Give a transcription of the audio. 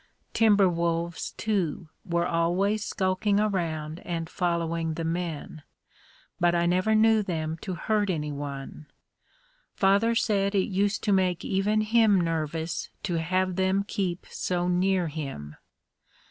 Timber wolves, too, were always skulking around and following the men, but I never knew them to hurt anyone. Father said it used to make even him nervous to have them keep so near him.